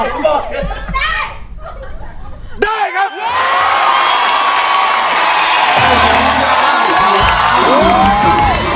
ก็ไม่ได้ต่อเถอะ